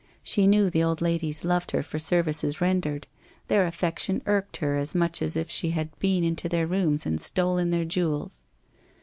She knew the old ladies loved her for services rendered; their affection irked her, as much as if she had been into their rooms and stolen their jewels.